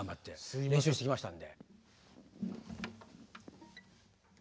練習してきましたんで。